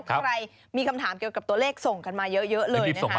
ใครมีคำถามเกี่ยวกับตัวเลขส่งกันมาเยอะเลยนะคะ